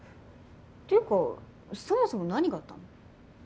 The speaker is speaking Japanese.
ていうかそもそも何があったの？